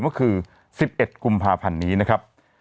ก็คือ๑๑กุมภาพันธ์นี้นะครับ